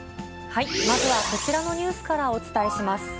まずはこちらのニュースからお伝えします。